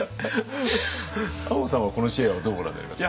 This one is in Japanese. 亞門さんはこの知恵はどうご覧になりました？